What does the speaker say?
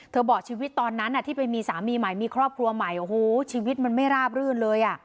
บอกชีวิตตอนนั้นที่ไปมีสามีใหม่มีครอบครัวใหม่โอ้โหชีวิตมันไม่ราบรื่นเลยอ่ะ